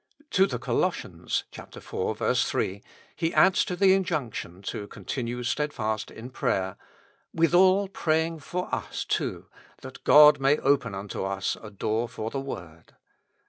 To the Colossians (iv. 3) he adds to the injunction to continue steadfast in prayer: "Withal praying for us too, that God may open unto us a door for the word."